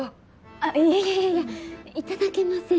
あいやいやいやいただけません。